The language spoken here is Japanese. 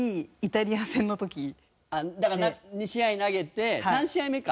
ちょうどだから２試合投げて３試合目か。